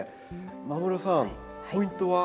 間室さんポイントは？